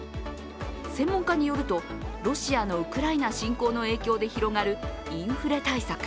専門家によると、ロシアのウクライナ侵攻の影響で広がるインフレ対策。